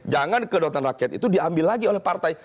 jangan kedaulatan rakyat itu diambil lagi oleh partai